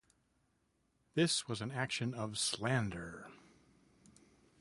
This was an action of slander.